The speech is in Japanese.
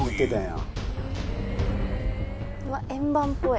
うわっ円盤っぽい。